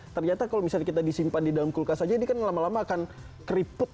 ternyata kalau misalnya kita disimpan di dalam kulkas saja ini kan lama lama akan keriput